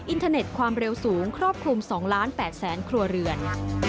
เทอร์เน็ตความเร็วสูงครอบคลุม๒๘๐๐๐ครัวเรือน